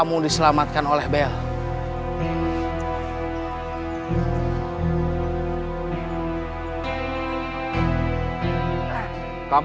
kita selalu bersama